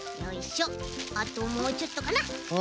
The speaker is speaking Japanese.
あともうちょっとかな。